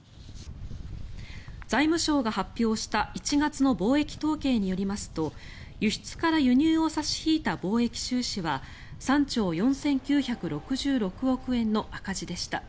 財務省が発表した１月の貿易統計によりますと輸出から輸入を差し引いた貿易収支は３兆４９６６億円の赤字でした。